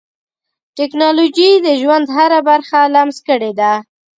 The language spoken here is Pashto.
ټکنالوجي د ژوند هره برخه لمس کړې ده.